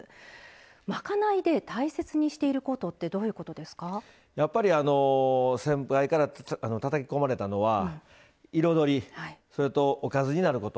まかないで大切にしていることってやっぱり先輩からたたき込まれたのは彩り、それとおかずになること。